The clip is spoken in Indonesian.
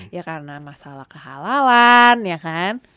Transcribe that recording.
ya karena masalah kehalalan